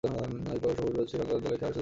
এরপর সুরজ শ্রীলঙ্কা এ-দলে খেলার সুযোগ পান।